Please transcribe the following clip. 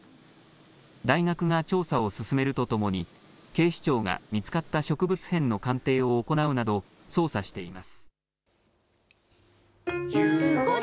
大学が調査を進めるとともに、警視庁が見つかった植物片の鑑定を行うなど、捜査しています。